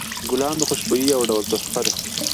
ګلان د خوشبویۍ یو ډول تحفه ده.